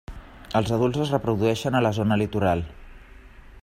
Els adults es reprodueixen a la zona litoral.